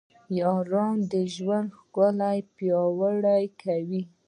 یاران د ژوند ښکلا پیاوړې کوي.